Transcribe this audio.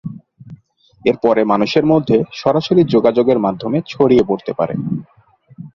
এরপরে মানুষের মধ্যে সরাসরি যোগাযোগের মাধ্যমে ছড়িয়ে পড়তে পারে।